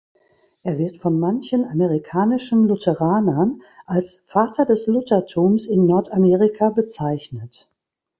Er wird von manchen amerikanischen Lutheranern als „Vater des Luthertums in Nordamerika“ bezeichnet.